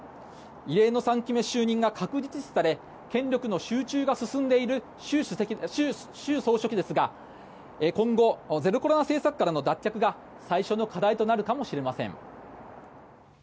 異例の３期目就任が確実視され権力の集中が進んでいる習総書記ですが今後ゼロコロナ政策からの脱却が最初の課題となるかもしれません。